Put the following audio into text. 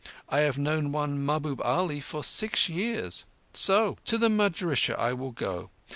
I have known one Mahbub Ali for six years. So! To the madrissah I will go.